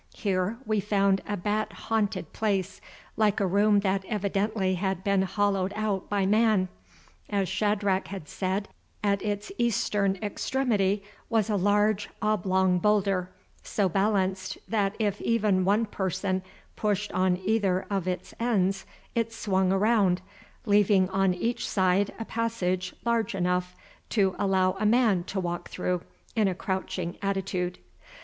Here we found a bat haunted place like a room that evidently had been hollowed out by man. As Shadrach had said, at its eastern extremity was a large, oblong boulder, so balanced that if even one person pushed on either of its ends it swung around, leaving on each side a passage large enough to allow a man to walk through in a crouching attitude.